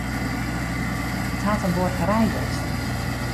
It hat in buorkerij west.